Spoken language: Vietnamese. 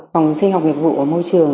còn sinh học nghiệp vụ ở môi trường